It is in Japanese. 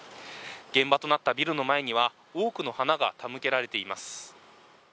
現場となったビルの前には多くの花が手向けられています。